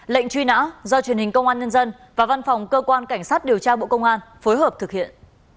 lệnh truy nã do truyền hình công an nhân dân và văn phòng cơ quan cảnh sát điều tra bộ công an phối hợp thực hiện